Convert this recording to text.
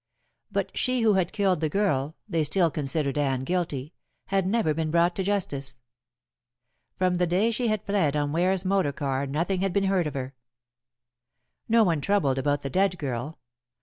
But she who had killed the girl they still considered Anne guilty had never been brought to justice. From the day she had fled on Ware's motor car nothing had been heard of her. No one troubled about the dead girl.